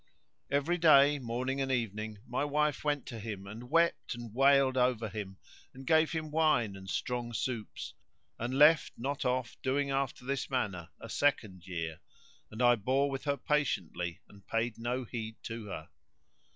Every day, morning and evening, my wife went to him and wept and wailed over him and gave him wine and strong soups, and left not off doing after this manner a second year; and I bore with her patiently and paid no heed to her.